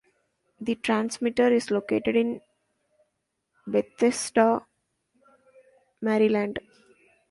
The transmitter is located in Bethesda, Maryland.